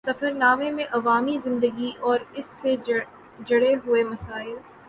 سفر نامے میں عوامی زندگی اور اُس سے جڑے ہوئے مسائل